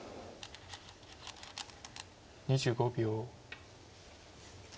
２５秒。